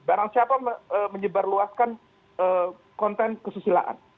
barang siapa menyebarluaskan konten kesusilaan